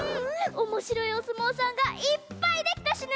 おもしろいおすもうさんがいっぱいできたしね！